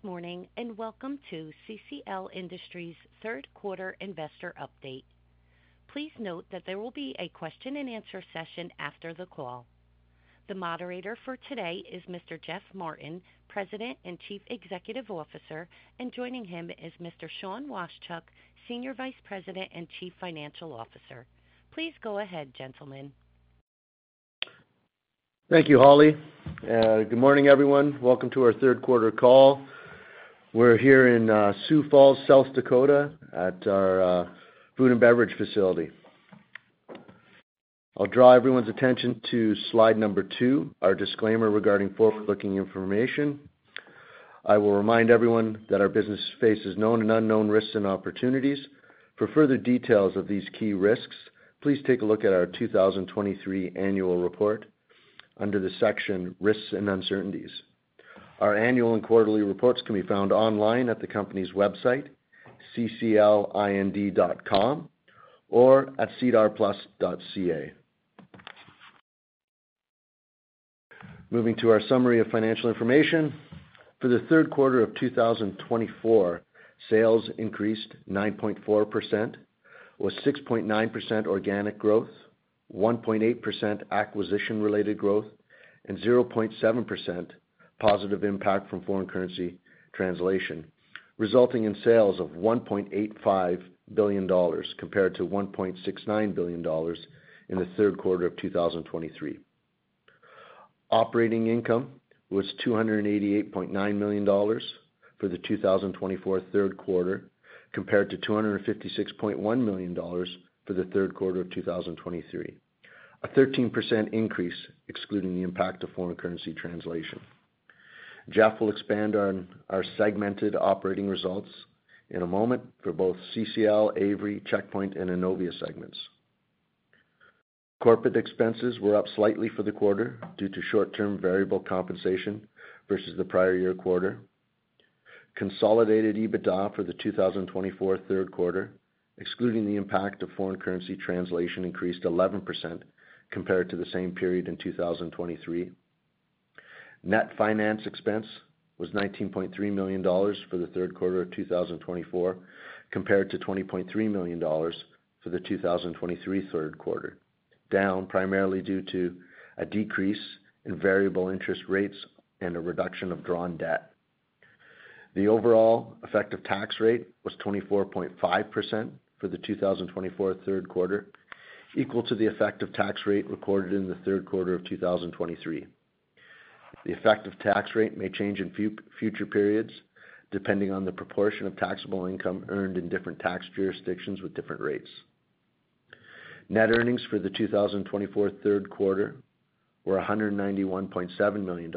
Good morning and welcome to CCL Industries' third quarter investor update. Please note that there will be a question-and-answer session after the call. The moderator for today is Mr. Jeff Martin, President and Chief Executive Officer, and joining him is Mr. Sean Washchuk, Senior Vice President and Chief Financial Officer. Please go ahead, gentlemen. Thank you, Holly. Good morning, everyone. Welcome to our third quarter call. We're here in Sioux Falls, South Dakota, at our food and beverage facility. I'll draw everyone's attention to slide number two, our disclaimer regarding forward-looking information. I will remind everyone that our business faces known and unknown risks and opportunities. For further details of these key risks, please take a look at our 2023 annual report under the section Risks and Uncertainties. Our annual and quarterly reports can be found online at the company's website, cclind.com, or at sedarplus.ca. Moving to our summary of financial information. For the third quarter of 2024, sales increased 9.4%, with 6.9% organic growth, 1.8% acquisition-related growth, and 0.7% positive impact from foreign currency translation, resulting in sales of 1.85 billion dollars compared to 1.69 billion dollars in the third quarter of 2023. Operating income was 288.9 million dollars for the 2024 third quarter, compared to 256.1 million dollars for the third quarter of 2023, a 13% increase excluding the impact of foreign currency translation. Jeff will expand on our segmented operating results in a moment for both CCL, Avery, Checkpoint, and Innovia segments. Corporate expenses were up slightly for the quarter due to short-term variable compensation versus the prior year quarter. Consolidated EBITDA for the 2024 third quarter, excluding the impact of foreign currency translation, increased 11% compared to the same period in 2023. Net finance expense was 19.3 million dollars for the third quarter of 2024, compared to 20.3 million dollars for the 2023 third quarter, down primarily due to a decrease in variable interest rates and a reduction of drawn debt. The overall effective tax rate was 24.5% for the 2024 third quarter, equal to the effective tax rate recorded in the third quarter of 2023. The effective tax rate may change in future periods depending on the proportion of taxable income earned in different tax jurisdictions with different rates. Net earnings for the 2024 third quarter were $191.7 million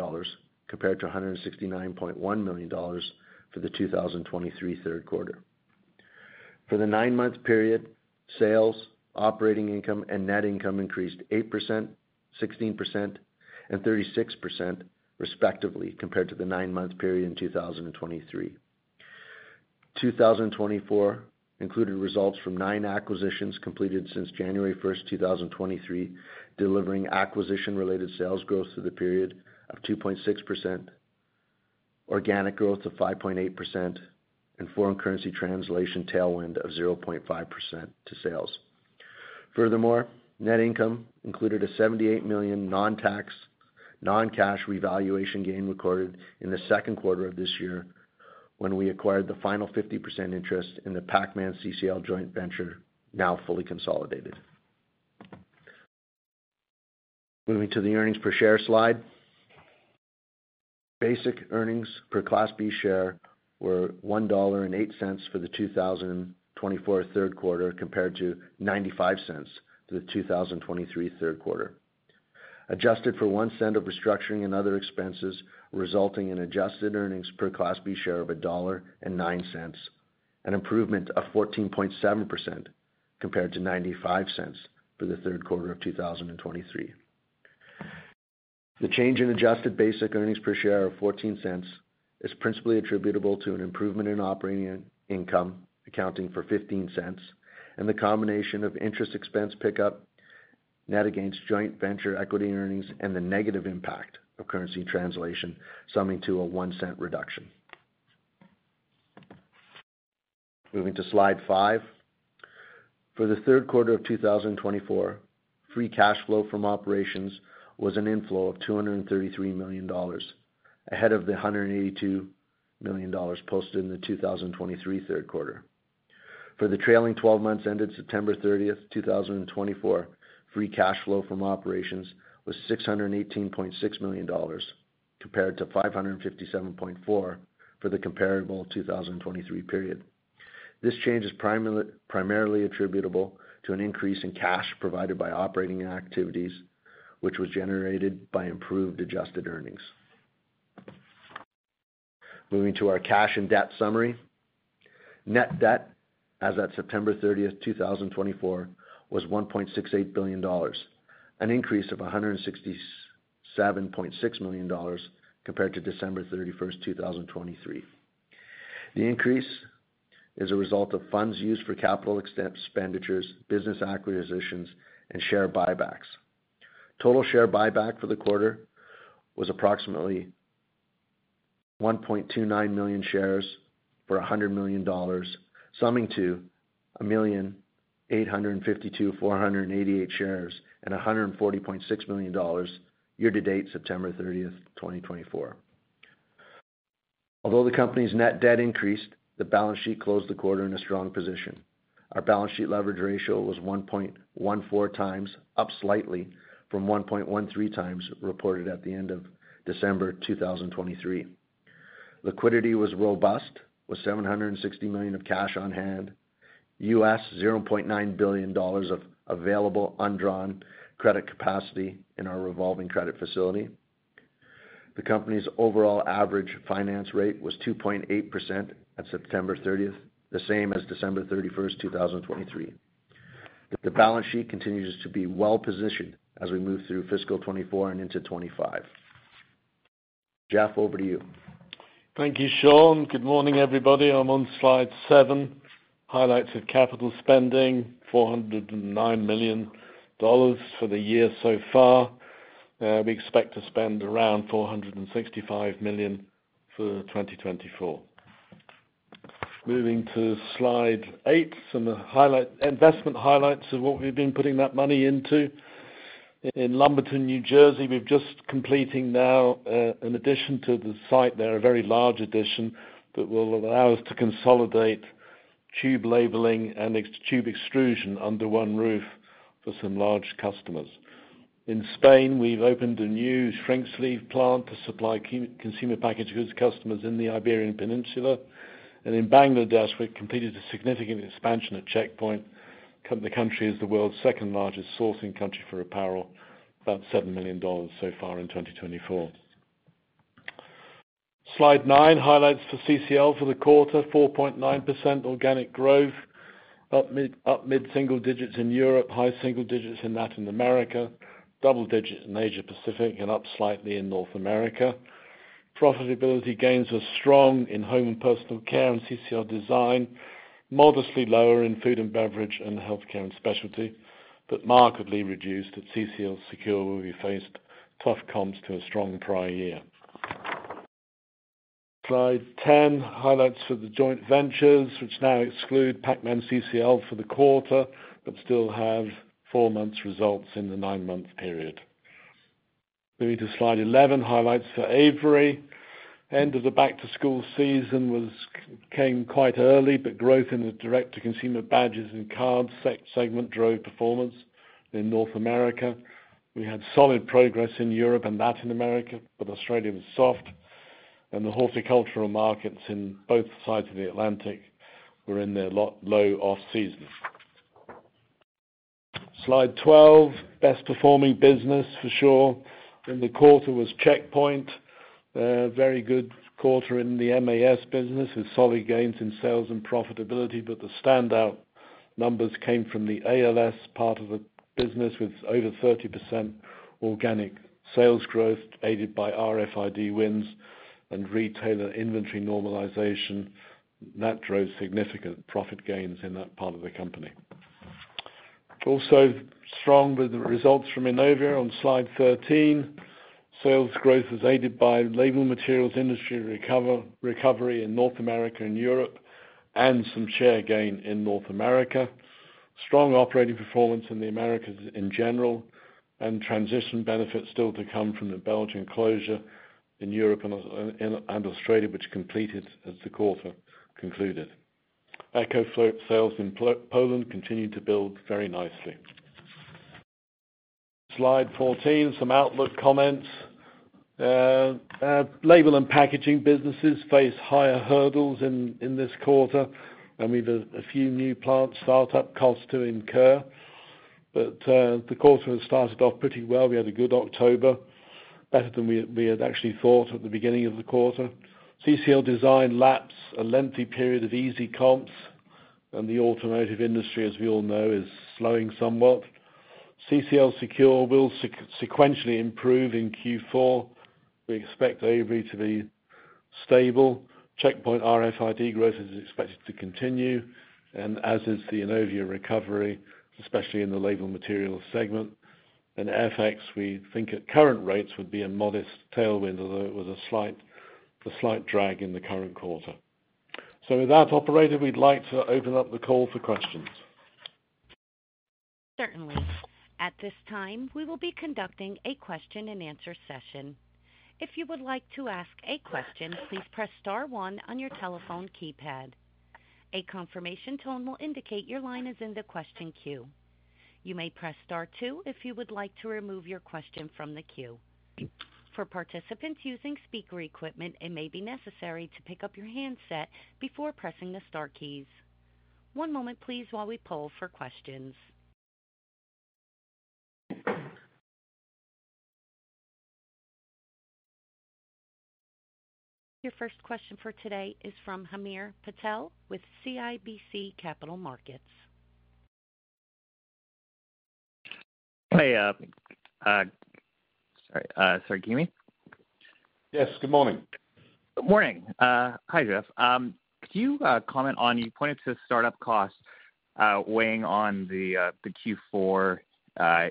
compared to $169.1 million for the 2023 third quarter. For the nine-month period, sales, operating income, and net income increased 8%, 16%, and 36%, respectively, compared to the nine-month period in 2023. 2024 included results from nine acquisitions completed since January 1, 2023, delivering acquisition-related sales growth through the period of 2.6%, organic growth of 5.8%, and foreign currency translation tailwind of 0.5% to sales. Furthermore, net income included a 78 million non-cash revaluation gain recorded in the second quarter of this year when we acquired the final 50% interest in the Pacman CCL joint venture, now fully consolidated. Moving to the earnings per share slide. Basic earnings per Class B share were 1.08 dollar for the 2024 third quarter, compared to 0.95 for the 2023 third quarter. Adjusted for 0.01 of restructuring and other expenses resulting in adjusted earnings per Class B share of 1.09 dollar, an improvement of 14.7% compared to 0.95 for the third quarter of 2023. The change in adjusted basic earnings per share of 0.14 is principally attributable to an improvement in operating income accounting for 0.15 and the combination of interest expense pickup, net against joint venture equity earnings, and the negative impact of currency translation, summing to a 0.01 reduction. Moving to slide five. For the third quarter of 2024, free cash flow from operations was an inflow of $233 million, ahead of the $182 million posted in the 2023 third quarter. For the trailing 12 months ended September 30, 2024, free cash flow from operations was $618.6 million, compared to $557.4 for the comparable 2023 period. This change is primarily attributable to an increase in cash provided by operating activities, which was generated by improved adjusted earnings. Moving to our cash and debt summary. Net debt, as of September 30, 2024, was $1.68 billion, an increase of $167.6 million compared to December 31, 2023. The increase is a result of funds used for capital expenditures, business acquisitions, and share buybacks. Total share buyback for the quarter was approximately 1.29 million shares for $100 million, summing to 1,852,488 shares and $140.6 million year-to-date September 30, 2024. Although the company's net debt increased, the balance sheet closed the quarter in a strong position. Our balance sheet leverage ratio was 1.14 times, up slightly from 1.13x reported at the end of December 2023. Liquidity was robust, with 760 million of cash on hand, $0.9 billion of available undrawn credit capacity in our revolving credit facility. The company's overall average finance rate was 2.8% at September 30, the same as December 31, 2023. The balance sheet continues to be well-positioned as we move through fiscal 2024 and into 2025. Jeff, over to you. Thank you, Sean. Good morning, everybody. I'm on slide seven, highlights of capital spending, $409 million for the year so far. We expect to spend around $465 million for 2024. Moving to slide eight, some investment highlights of what we've been putting that money into. In Lumberton, New Jersey, we're just completing now an addition to the site. It's a very large addition that will allow us to consolidate tube labeling and tube extrusion under one roof for some large customers. In Spain, we've opened a new shrink sleeve plant to supply consumer packaged goods customers in the Iberian Peninsula. And in Bangladesh, we've completed a significant expansion at Checkpoint. The country is the world's second-largest sourcing country for apparel, about 7 million dollars so far in 2024. Slide nine highlights for CCL for the quarter, 4.9% organic growth, up mid-single digits in Europe, high single digits in Latin America, double digits in Asia-Pacific, and up slightly in North America. Profitability gains were strong in home and personal care and CCL Design, modestly lower in food and beverage and healthcare and specialty, but markedly reduced at CCL Secure, where we faced tough comps to a strong prior year. Slide 10 highlights for the joint ventures, which now exclude Pacman-CCL for the quarter, but still have four months' results in the nine-month period. Moving to slide 11 highlights for Avery. End of the back-to-school season came quite early, but growth in the direct-to-consumer badges and card segment drove performance in North America. We had solid progress in Europe and Latin America, but Australia was soft, and the horticultural markets in both sides of the Atlantic were in their low off-season. Slide 12, best-performing business for sure in the quarter was Checkpoint. A very good quarter in the MAS business with solid gains in sales and profitability, but the standout numbers came from the ALS part of the business with over 30% organic sales growth, aided by RFID wins and retailer inventory normalization. That drove significant profit gains in that part of the company. Also, strong with the results from Innovia on slide 13. Sales growth was aided by label materials industry recovery in North America and Europe, and some share gain in North America. Strong operating performance in the Americas in general, and transition benefits still to come from the Belgian closure in Europe and Australia, which completed as the quarter concluded. EcoFloat sales in Poland continued to build very nicely. Slide 14, some outlook comments. Label and packaging businesses face higher hurdles in this quarter, and we have a few new plant startup costs to incur. But the quarter has started off pretty well. We had a good October, better than we had actually thought at the beginning of the quarter. CCL Design laps a lengthy period of easy comps, and the automotive industry, as we all know, is slowing somewhat. CCL Secure will sequentially improve in Q4. We expect Avery to be stable. Checkpoint RFID growth is expected to continue, and as is the Innovia recovery, especially in the label material segment. FX, we think at current rates, would be a modest tailwind, although it was a slight drag in the current quarter. So with that, operator, we'd like to open up the call for questions. Certainly. At this time, we will be conducting a question-and-answer session. If you would like to ask a question, please press star one on your telephone keypad. A confirmation tone will indicate your line is in the question queue. You may press star two if you would like to remove your question from the queue. For participants using speaker equipment, it may be necessary to pick up your handset before pressing the star keys. One moment, please, while we poll for questions. Your first question for today is from Hamir Patel with CIBC Capital Markets. Hey. Sorry. Sorry, can you hear me? Yes. Good morning. Good morning. Hi, Jeff. Could you comment on what you pointed to, startup costs weighing on the Q4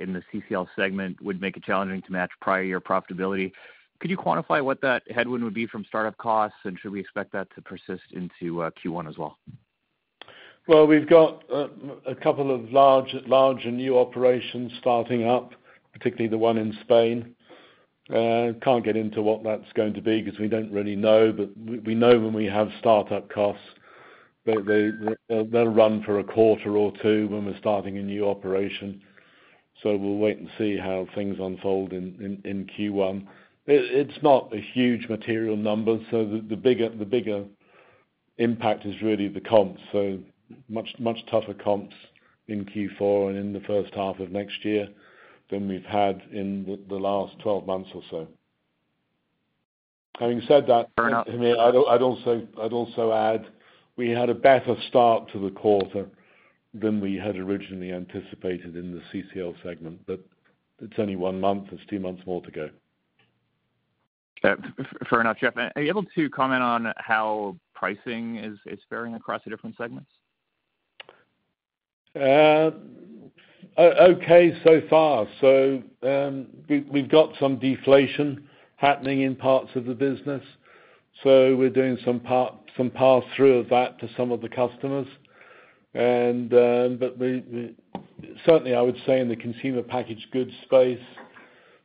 in the CCL segment would make it challenging to match prior year profitability. Could you quantify what that headwind would be from startup costs, and should we expect that to persist into Q1 as well? We've got a couple of large and new operations starting up, particularly the one in Spain. Can't get into what that's going to be because we don't really know, but we know when we have startup costs, they'll run for a quarter or two when we're starting a new operation. So we'll wait and see how things unfold in Q1. It's not a huge material number, so the bigger impact is really the comps. So much tougher comps in Q4 and in the first half of next year than we've had in the last 12 months or so. Having said that, I'd also add we had a better start to the quarter than we had originally anticipated in the CCL segment, but it's only one month. There's two months more to go. Fair enough, Jeff. Are you able to comment on how pricing is faring across the different segments? Okay so far. So we've got some deflation happening in parts of the business. So we're doing some pass-through of that to some of the customers. But certainly, I would say in the consumer packaged goods space,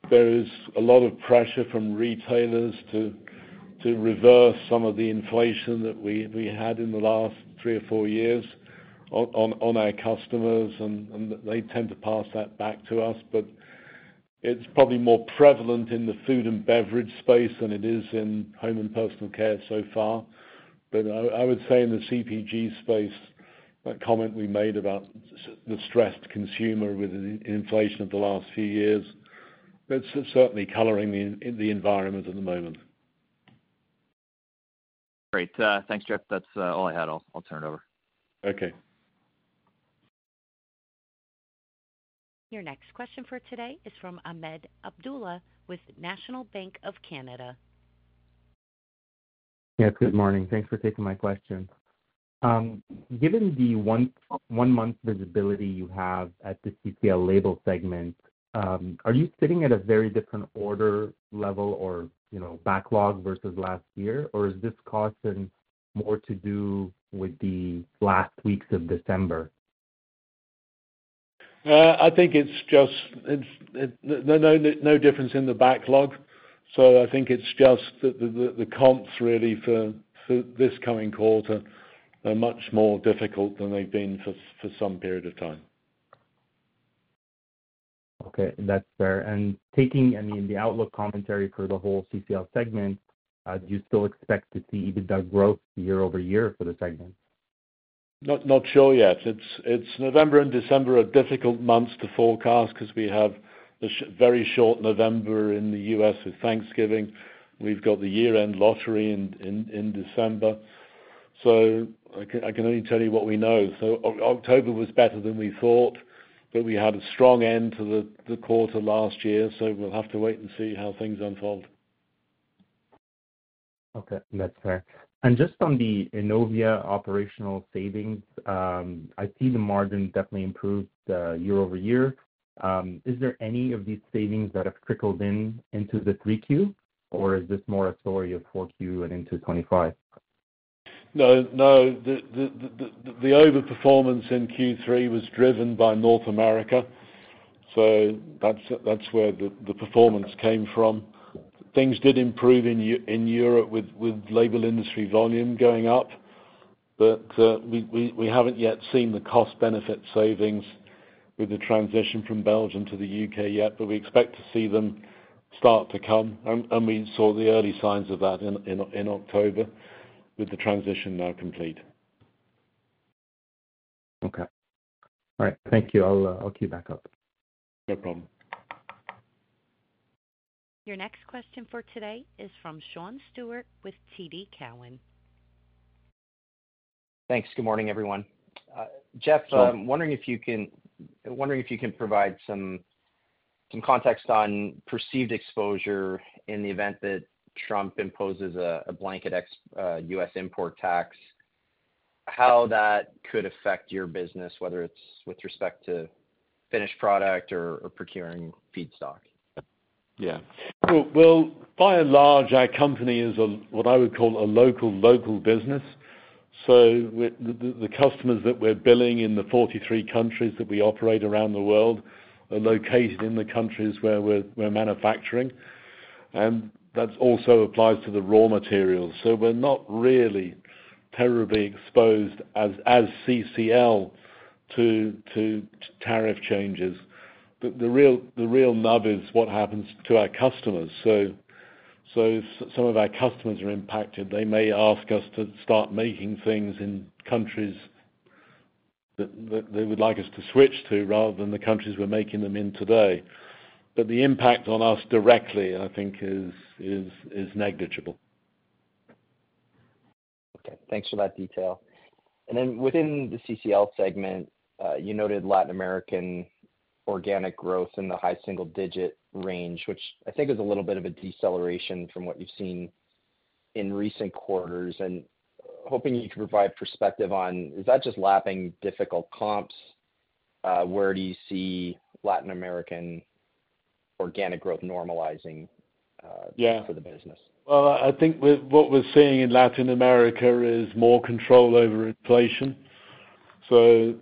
there is a lot of pressure from retailers to reverse some of the inflation that we had in the last three or four years on our customers, and they tend to pass that back to us. But it's probably more prevalent in the food and beverage space than it is in home and personal care so far. But I would say in the CPG space, that comment we made about the stressed consumer with inflation of the last few years, that's certainly coloring the environment at the moment. Great. Thanks, Jeff. That's all I had. I'll turn it over. Okay. Your next question for today is from Ahmed Abdullah with National Bank of Canada. Yes, good morning. Thanks for taking my question. Given the one-month visibility you have at the CCL Label segment, are you sitting at a very different order level or backlog versus last year, or is this costing more to do with the last weeks of December? I think it's just no difference in the backlog. So I think it's just that the comps really for this coming quarter are much more difficult than they've been for some period of time. Okay. That's fair, and taking, I mean, the outlook commentary for the whole CCL segment, do you still expect to see even the growth year over year for the segment? Not sure yet. November and December are difficult months to forecast because we have a very short November in the U.S. with Thanksgiving. We've got the year-end lottery in December, so I can only tell you what we know, so October was better than we thought, but we had a strong end to the quarter last year, so we'll have to wait and see how things unfold. Okay. That's fair. And just on the Innovia operational savings, I see the margin definitely improved year over year. Is there any of these savings that have trickled into the 3Q, or is this more a story of 4Q and into 25? No. The overperformance in Q3 was driven by North America. So that's where the performance came from. Things did improve in Europe with label industry volume going up, but we haven't yet seen the cost-benefit savings with the transition from Belgium to the U.K. yet, but we expect to see them start to come, and we saw the early signs of that in October with the transition now complete. Okay. All right. Thank you. I'll queue back up. No problem. Your next question for today is from Sean Steuart with TD Cowen. Thanks. Good morning, everyone. Jeff, I'm wondering if you can provide some context on perceived exposure in the event that Trump imposes a blanket U.S. import tax, how that could affect your business, whether it's with respect to finished product or procuring feedstock? Yeah. Well, by and large, our company is what I would call a local business. So the customers that we're billing in the 43 countries that we operate around the world are located in the countries where we're manufacturing. And that also applies to the raw materials. So we're not really terribly exposed as CCL to tariff changes. But the real nub is what happens to our customers. So some of our customers are impacted. They may ask us to start making things in countries that they would like us to switch to rather than the countries we're making them in today. But the impact on us directly, I think, is negligible. Okay. Thanks for that detail. And then within the CCL segment, you noted Latin American organic growth in the high single-digit range, which I think is a little bit of a deceleration from what you've seen in recent quarters. And hoping you could provide perspective on, is that just lapping difficult comps? Where do you see Latin American organic growth normalizing for the business? Yeah. Well, I think what we're seeing in Latin America is more control over inflation. So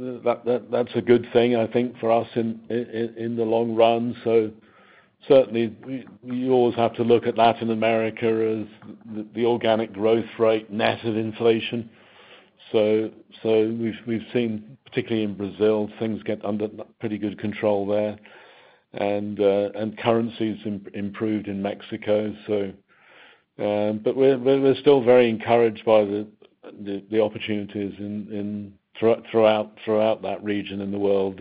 that's a good thing, I think, for us in the long run. So certainly, we always have to look at Latin America as the organic growth rate, net of inflation. So we've seen, particularly in Brazil, things get under pretty good control there. And currencies improved in Mexico. But we're still very encouraged by the opportunities throughout that region in the world.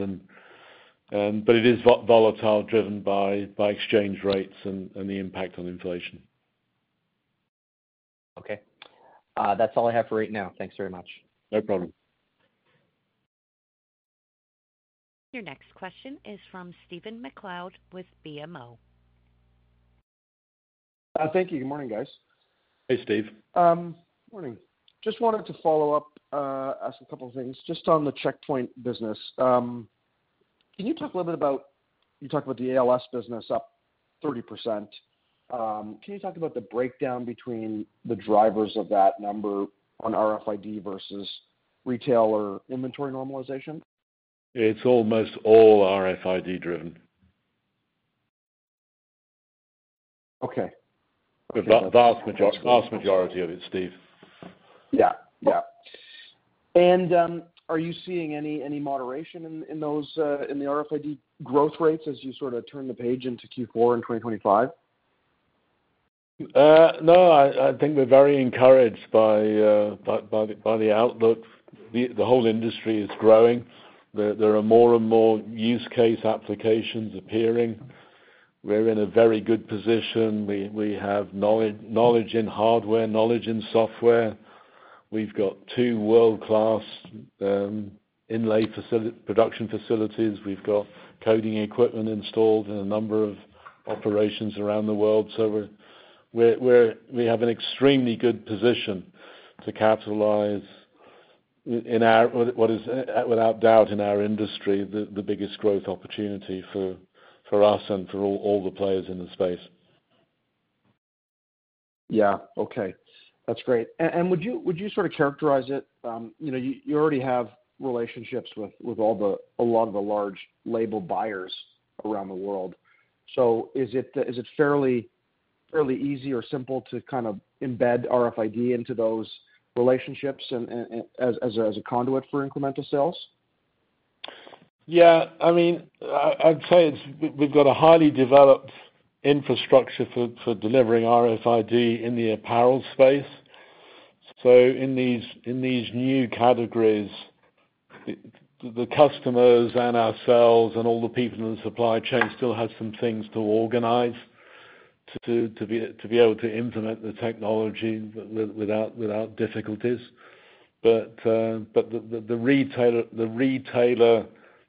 But it is volatile, driven by exchange rates and the impact on inflation. Okay. That's all I have for right now. Thanks very much. No problem. Your next question is from Stephen MacLeod with BMO. Thank you. Good morning, guys. Hey, Stephen. Morning. Just wanted to follow up, ask a couple of things. Just on the Checkpoint business, can you talk a little bit about you talked about the ALS business up 30%. Can you talk about the breakdown between the drivers of that number on RFID versus retail or inventory normalization? It's almost all RFID-driven. Okay. The vast majority of it, Steve. Yeah. Yeah. And are you seeing any moderation in the RFID growth rates as you sort of turn the page into Q4 in 2025? No. I think we're very encouraged by the outlook. The whole industry is growing. There are more and more use case applications appearing. We're in a very good position. We have knowledge in hardware, knowledge in software. We've got two world-class inlay production facilities. We've got coding equipment installed in a number of operations around the world. So we have an extremely good position to capitalize in our without doubt, in our industry, the biggest growth opportunity for us and for all the players in the space. Yeah. Okay. That's great. And would you sort of characterize it? You already have relationships with a lot of the large label buyers around the world. So is it fairly easy or simple to kind of embed RFID into those relationships as a conduit for incremental sales? Yeah. I mean, I'd say we've got a highly developed infrastructure for delivering RFID in the apparel space. So in these new categories, the customers and ourselves and all the people in the supply chain still have some things to organize to be able to implement the technology without difficulties. But the retailer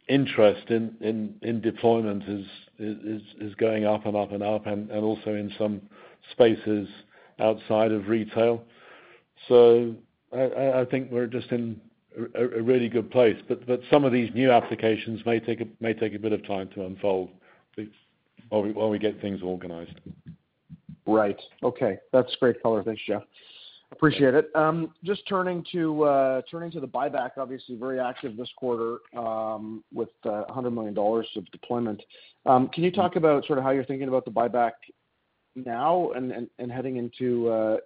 interest in deployment is going up and up and up, and also in some spaces outside of retail. So I think we're just in a really good place. But some of these new applications may take a bit of time to unfold while we get things organized. Right. Okay. That's great color. Thanks, Jeff. Appreciate it. Just turning to the buyback, obviously very active this quarter with 100 million dollars of deployment. Can you talk about sort of how you're thinking about the buyback now and heading into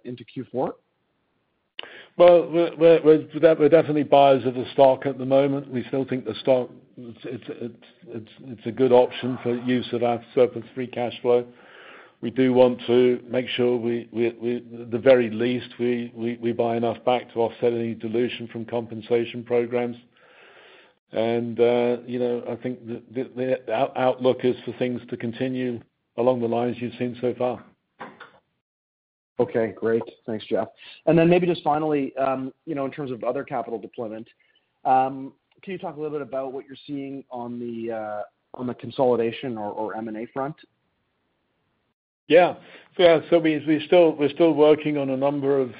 Q4? That would definitely buy back our stock at the moment. We still think the stock; it's a good option for use of our surplus free cash flow. We do want to make sure at the very least we buy enough back to offset any dilution from compensation programs. I think the outlook is for things to continue along the lines you've seen so far. Okay. Great. Thanks, Jeff. And then maybe just finally, in terms of other capital deployment, can you talk a little bit about what you're seeing on the consolidation or M&A front? Yeah. Yeah. So we're still working on a number of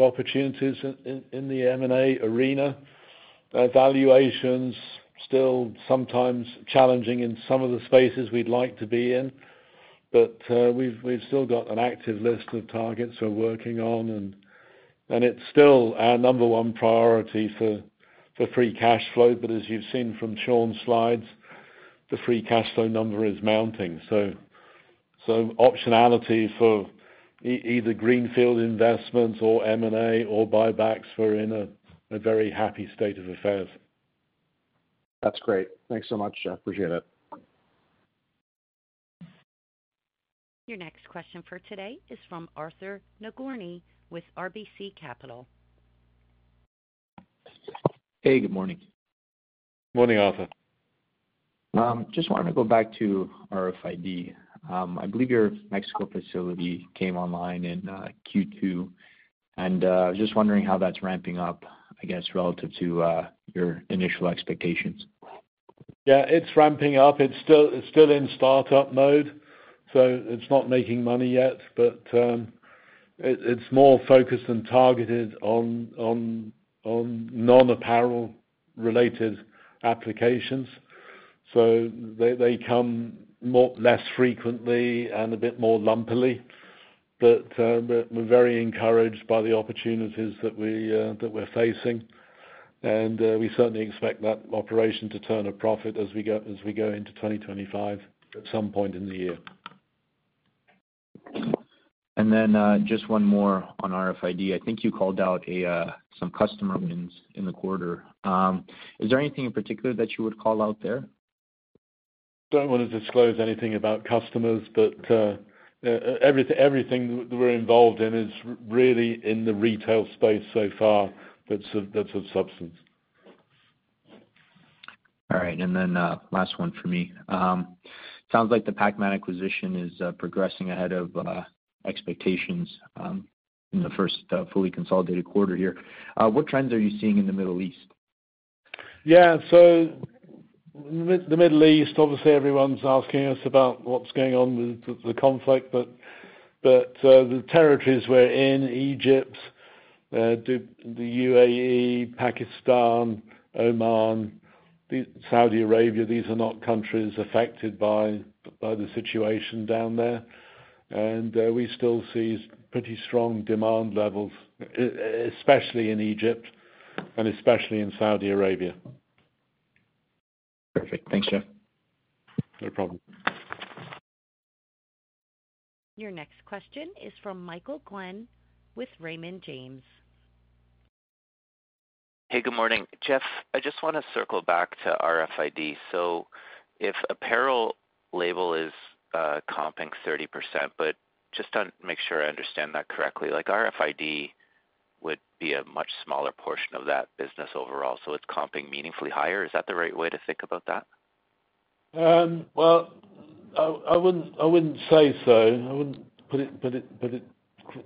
opportunities in the M&A arena. Valuations still sometimes challenging in some of the spaces we'd like to be in. But we've still got an active list of targets we're working on. And it's still our number one priority for free cash flow. But as you've seen from Sean's slides, the free cash flow number is mounting. So optionality for either greenfield investments or M&A or buybacks, we're in a very happy state of affairs. That's great. Thanks so much, Jeff. Appreciate it. Your next question for today is from Arthur Nagorny with RBC Capital. Hey, good morning. Morning, Arthur. Just wanted to go back to RFID. I believe your Mexico facility came online in Q2, and I was just wondering how that's ramping up, I guess, relative to your initial expectations? Yeah. It's ramping up. It's still in startup mode. So it's not making money yet. But it's more focused and targeted on non-apparel-related applications. So they come less frequently and a bit more lumpily. But we're very encouraged by the opportunities that we're facing. And we certainly expect that operation to turn a profit as we go into 2025 at some point in the year. Then just one more on RFID. I think you called out some customer wins in the quarter. Is there anything in particular that you would call out there? Don't want to disclose anything about customers, but everything that we're involved in is really in the retail space so far. That's of substance. All right. And then last one for me. Sounds like the Pacman acquisition is progressing ahead of expectations in the first fully consolidated quarter here. What trends are you seeing in the Middle East? Yeah. So the Middle East, obviously, everyone's asking us about what's going on with the conflict. But the territories we're in, Egypt, the UAE, Pakistan, Oman, Saudi Arabia, these are not countries affected by the situation down there. And we still see pretty strong demand levels, especially in Egypt and especially in Saudi Arabia. Perfect. Thanks, Jeff. No problem. Your next question is from Michael Glenn with Raymond James. Hey, good morning. Jeff, I just want to circle back to RFID. So if apparel label is comping 30%, but just to make sure I understand that correctly, RFID would be a much smaller portion of that business overall. So it's comping meaningfully higher. Is that the right way to think about that? I wouldn't say so. I wouldn't put it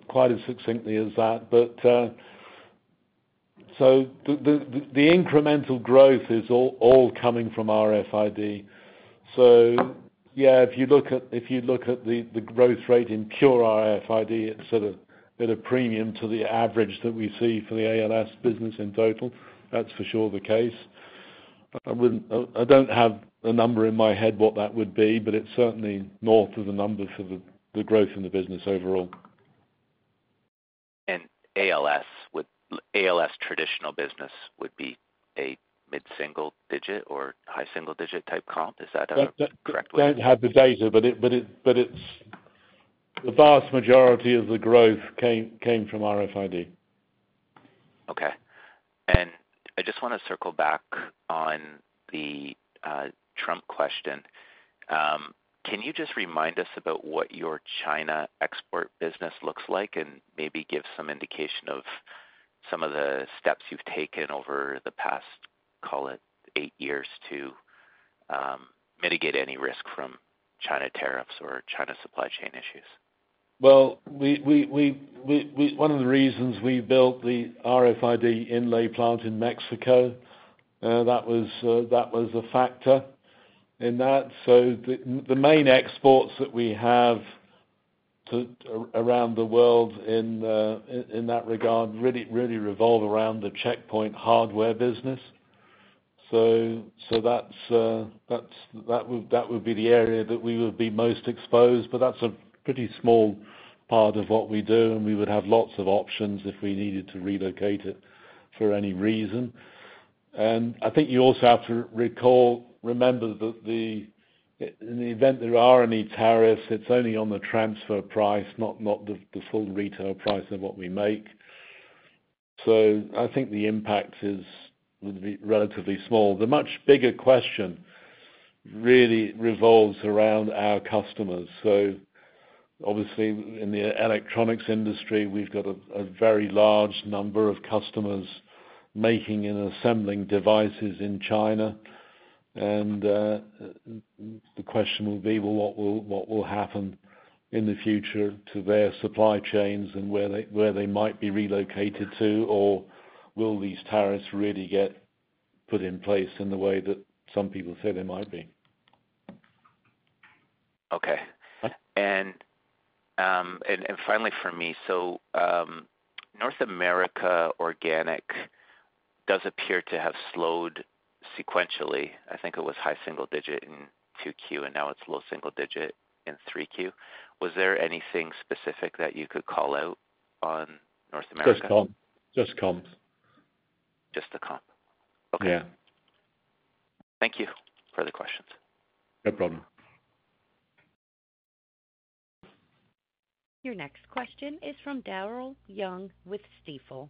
quite as succinctly as that. So the incremental growth is all coming from RFID. So yeah, if you look at the growth rate in pure RFID, it's sort of at a premium to the average that we see for the ALS business in total. That's for sure the case. I don't have a number in my head what that would be, but it's certainly north of the number for the growth in the business overall. ALS traditional business would be a mid-single digit or high single digit type comp. Is that correct? I don't have the data, but the vast majority of the growth came from RFID. Okay. And I just want to circle back on the Trump question. Can you just remind us about what your China export business looks like and maybe give some indication of some of the steps you've taken over the past, call it, eight years to mitigate any risk from China tariffs or China supply chain issues? Well, one of the reasons we built the RFID inlay plant in Mexico, that was a factor in that. So the main exports that we have around the world in that regard really revolve around the Checkpoint hardware business. So that would be the area that we would be most exposed. But that's a pretty small part of what we do. And we would have lots of options if we needed to relocate it for any reason. And I think you also have to remember that in the event there are any tariffs, it's only on the transfer price, not the full retail price of what we make. So I think the impact would be relatively small. The much bigger question really revolves around our customers. So obviously, in the electronics industry, we've got a very large number of customers making and assembling devices in China. The question will be, well, what will happen in the future to their supply chains and where they might be relocated to, or will these tariffs really get put in place in the way that some people say they might be? Okay, and finally for me, so North America organic does appear to have slowed sequentially. I think it was high single digit in 2Q, and now it's low single digit in 3Q. Was there anything specific that you could call out on North America? Just comp. Just the comp. Okay. Yeah. Thank you for the questions. No problem. Your next question is from Daryl Young with Stifel.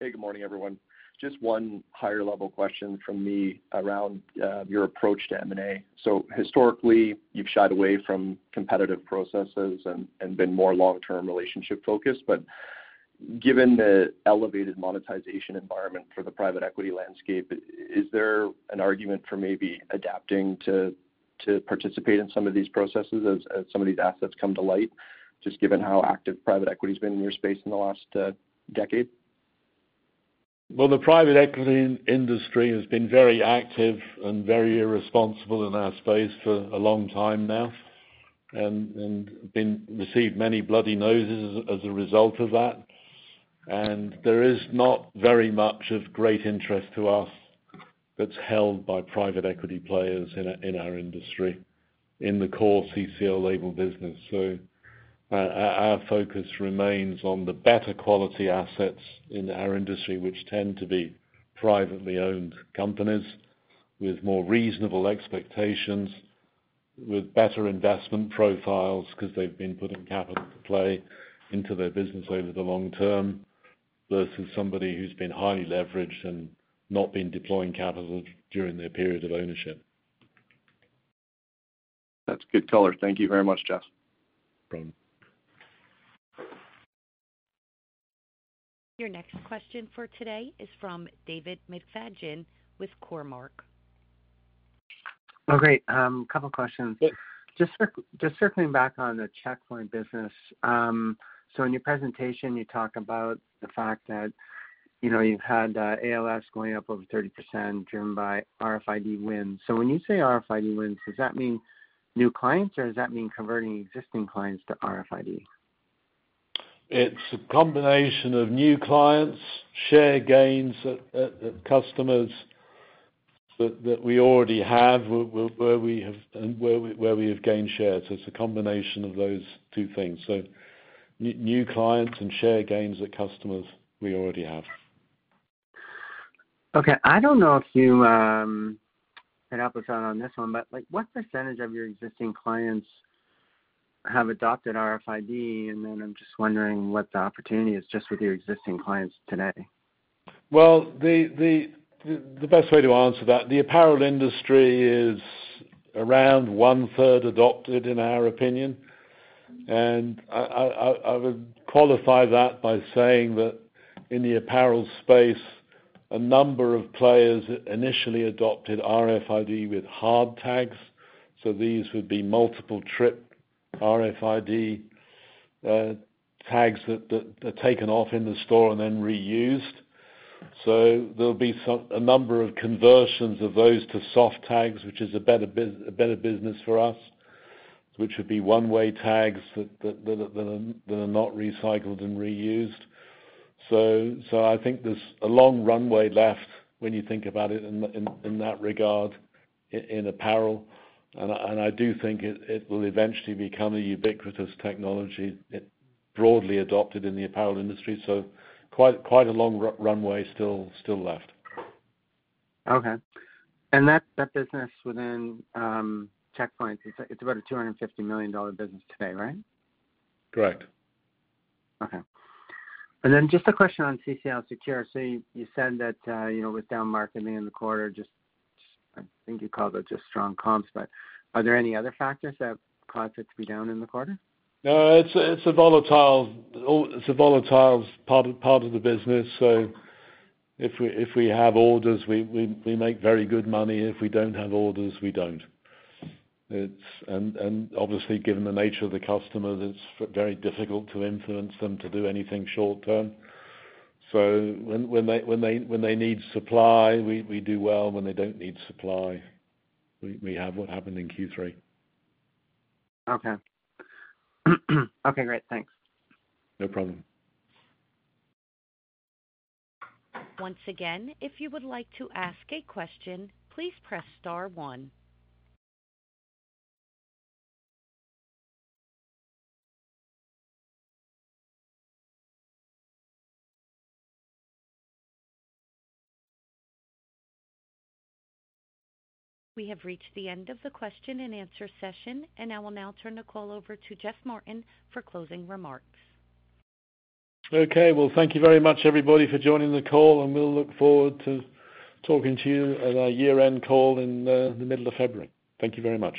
Hey, good morning, everyone. Just one higher-level question from me around your approach to M&A. So historically, you've shied away from competitive processes and been more long-term relationship-focused. But given the elevated monetization environment for the private equity landscape, is there an argument for maybe adapting to participate in some of these processes as some of these assets come to light, just given how active private equity has been in your space in the last decade? The private equity industry has been very active and very irresponsible in our space for a long time now and received many bloody noses as a result of that. There is not very much of great interest to us that's held by private equity players in our industry in the core CCL Label business. Our focus remains on the better quality assets in our industry, which tend to be privately owned companies with more reasonable expectations, with better investment profiles because they've been putting capital to play into their business over the long term versus somebody who's been highly leveraged and not been deploying capital during their period of ownership. That's good color. Thank you very much, Jeff. No problem. Your next question for today is from David McFadgen with Cormark. Okay. A couple of questions. Just circling back on the Checkpoint business. So in your presentation, you talk about the fact that you've had ALS going up over 30% driven by RFID wins. So when you say RFID wins, does that mean new clients, or does that mean converting existing clients to RFID? It's a combination of new clients, share gains at customers that we already have, where we have gained shares. It's a combination of those two things. So new clients and share gains at customers we already have. Okay. I don't know if you had an opportunity on this one, but what percentage of your existing clients have adopted RFID, and then I'm just wondering what the opportunity is just with your existing clients today. The best way to answer that, the apparel industry is around one-third adopted, in our opinion. I would qualify that by saying that in the apparel space, a number of players initially adopted RFID with hard tags. These would be multiple trip RFID tags that are taken off in the store and then reused. There'll be a number of conversions of those to soft tags, which is a better business for us, which would be one-way tags that are not recycled and reused. I think there's a long runway left when you think about it in that regard in apparel. I do think it will eventually become a ubiquitous technology broadly adopted in the apparel industry. Quite a long runway still left. Okay. And that business within Checkpoint's, it's about a 250 million dollar business today, right? Correct. Okay. And then just a question on CCL Secure. So you said that it was down markedly in the quarter. I think you called it just strong comps. But are there any other factors that caused it to be down in the quarter? It's a volatile part of the business. So if we have orders, we make very good money. If we don't have orders, we don't. And obviously, given the nature of the customers, it's very difficult to influence them to do anything short term. So when they need supply, we do well. When they don't need supply, we have what happened in Q3. Okay. Okay. Great. Thanks. No problem. Once again, if you would like to ask a question, please press star one. We have reached the end of the question and answer session, and I will now turn the call over to Jeff Martin for closing remarks. Okay. Thank you very much, everybody, for joining the call. We'll look forward to talking to you at our year-end call in the middle of February. Thank you very much.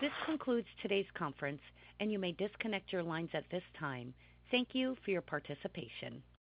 This concludes today's conference, and you may disconnect your lines at this time. Thank you for your participation.